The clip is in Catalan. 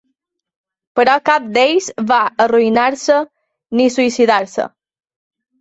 Però cap d'ells va arruïnar-se ni suïcidar-se.